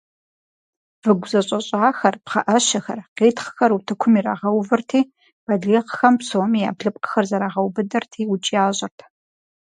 Выгу зэщӀэщӀахэр, пхъэӀэщэхэр, къитхъхэр утыкум ирагъэувэрти, балигъхэм псоми я блыпкъхэр зэрагъэубыдырти, удж ящӀырт.